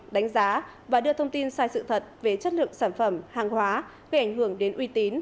đánh giá và đưa thông tin sai sự thật về chất lượng sản phẩm hàng hóa gây ảnh hưởng đến uy tín